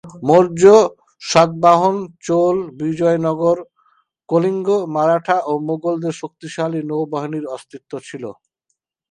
মৌর্য, সাতবাহন, চোল, বিজয়নগর, কলিঙ্গ, মারাঠা ও মুঘলদের শক্তিশালী নৌবাহিনীর অস্তিত্ব ছিল।